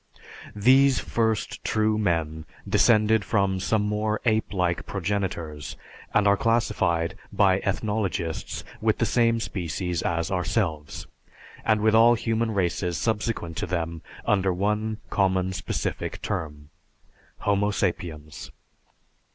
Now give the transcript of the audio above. These first "true men" descended from some more ape like progenitors and are classed by ethnologists with the same species as ourselves, and with all human races subsequent to them under one common, specific term, Homo Sapiens.